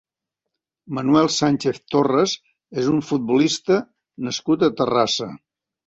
Manuel Sánchez Torres és un futbolista nascut a Terrassa.